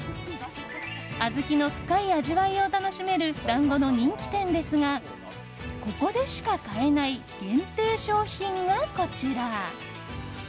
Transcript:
小豆の深い味わいを楽しめる団子の人気店ですがここでしか買えない限定商品がこちら。